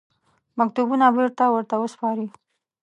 مکتوبونه بېرته ورته وسپاري.